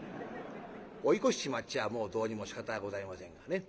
追い越しちまっちゃあもうどうにもしかたがございませんがね。